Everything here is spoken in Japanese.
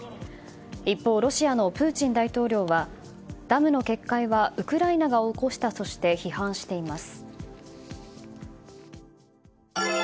一方、ロシアのプーチン大統領はダムの決壊はウクライナが起こしたとして批判しています。